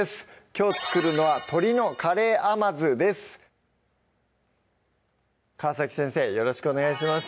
きょう作るのは「鶏のカレー甘酢」です川先生よろしくお願いします